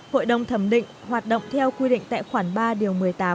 hội đồng thẩm định hoạt động theo quy định tệ khoản ba điều một mươi tám